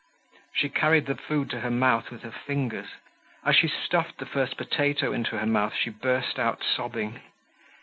She carried the food to her mouth with her fingers. As she stuffed the first potato into her mouth, she burst out sobbing.